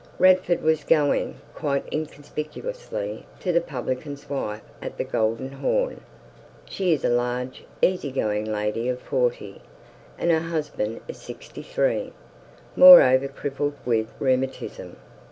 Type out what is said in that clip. Radford was going, quite inconspicuously, to the publican's wife at the "Golden Horn". She is a large, easy going lady of forty, and her husband is sixty three, moreover crippled with rheumatism.